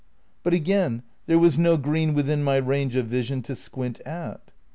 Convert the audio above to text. "' But, again, there was no green within my range of vision to squint at.